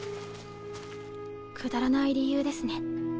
くだらない理由ですね。